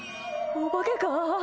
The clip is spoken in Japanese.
お化けか？